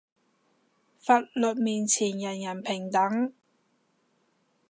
法律面前人人平等